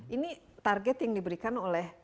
ini target yang diberikan oleh